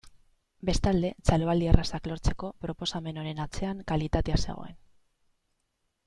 Bestalde, txaloaldi errazak lortzeko proposamen honen atzean kalitatea zegoen.